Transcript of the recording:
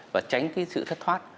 và tránh cái sự thất thoát